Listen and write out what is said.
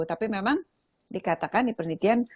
tapi memang dikatakan di penelitian